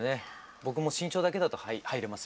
僕も身長だけだと入れます